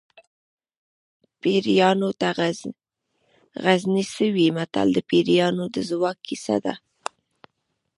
پیریانو ته غزني څه وي متل د پیریانو د ځواک کیسه ده